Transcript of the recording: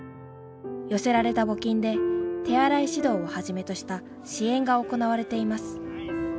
寄せられた募金で手洗い指導をはじめとした支援が行われています。